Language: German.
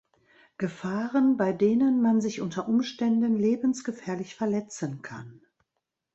Gefahren, bei denen man sich unter Umständen lebensgefährlich verletzen kann.